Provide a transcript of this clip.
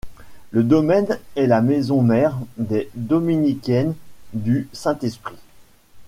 Le domaine est la maison mère des dominicaines du Saint Esprit.